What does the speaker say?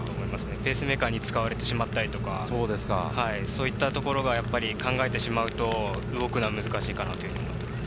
ペースメーカーに使われてしまったりとか、そういったところを考えてしまうと動くのは難しいかなと思います。